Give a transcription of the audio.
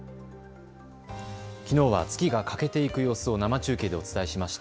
きのうは月が欠けていく様子を生中継でお伝えしました。